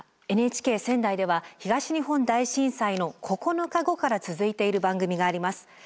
さあＮＨＫ仙台では東日本大震災の９日後から続いている番組があります。